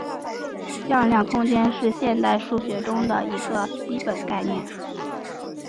向量空间是现代数学中的一个基本概念。